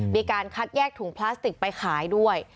มีการคัดแยกถุงพลาสติกไปขายด้วย